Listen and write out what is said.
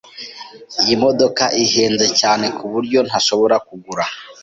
Iyi modoka ihenze cyane kuburyo ntashobora kugura.